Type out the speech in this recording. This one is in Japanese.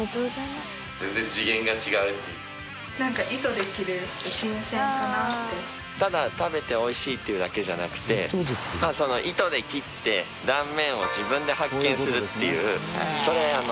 何かただ食べておいしいっていうだけじゃなくて糸で切って断面を自分で発見するっていうそれあのああ